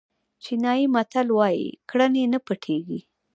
چینایي متل وایي کړنې نه پټېږي.